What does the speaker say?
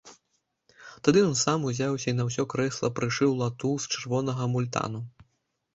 Тады ён сам ўзяўся і на ўсё крэсла прышыў лату з чырвонага мультану.